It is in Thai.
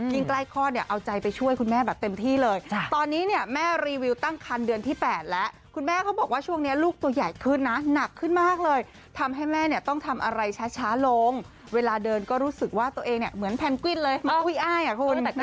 ใกล้คลอดเนี่ยเอาใจไปช่วยคุณแม่แบบเต็มที่เลยตอนนี้เนี่ยแม่รีวิวตั้งคันเดือนที่๘แล้วคุณแม่เขาบอกว่าช่วงนี้ลูกตัวใหญ่ขึ้นนะหนักขึ้นมากเลยทำให้แม่เนี่ยต้องทำอะไรช้าลงเวลาเดินก็รู้สึกว่าตัวเองเนี่ยเหมือนแพนกวินเลยเหมือนอุ้ยอ้ายอ่ะคุณ